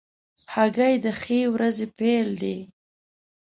هګۍ د ښې ورځې پیل دی.